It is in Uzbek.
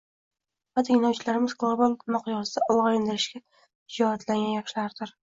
va tinglovchilarimiz global miqyosda olgʻa intilishga shijoatlangan yoshlardir.